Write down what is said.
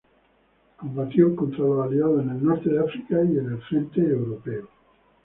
Combatió contra los Aliados en el Norte de África y en el frente europeo.